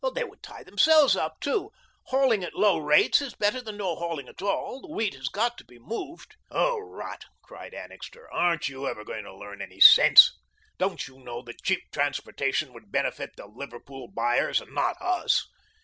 "They would tie themselves up, too. Hauling at low rates is better than no hauling at all. The wheat has got to be moved." "Oh, rot!" cried Annixter. "Aren't you ever going to learn any sense? Don't you know that cheap transportation would benefit the Liverpool buyers and not us?